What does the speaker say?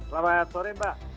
selamat sore mbak